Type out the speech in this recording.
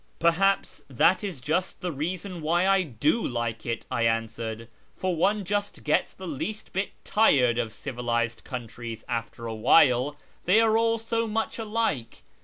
" Perhaps that is just the reason why I do like it," I answered, " for one just gets the least bit tired of ' civilised countries ' after a while : they are all so much alike.